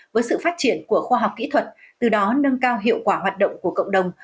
với sự phát triển của khoa học kỹ thuật từ đó nâng cao hiệu quả hoạt động của cộng đồng